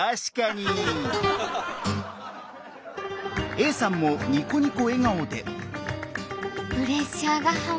Ａさんもニコニコ笑顔で。